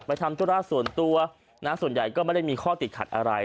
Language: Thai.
ทำธุระส่วนตัวนะส่วนใหญ่ก็ไม่ได้มีข้อติดขัดอะไร